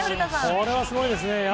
これはすごいですね。